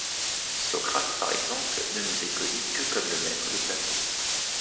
Socrate, par exemple, ne nous est connu que comme le maître de Platon.